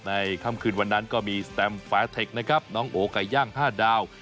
ค่ำคืนวันนั้นก็มีสแตมแฟร์เทคนะครับน้องโอไก่ย่าง๕ดาว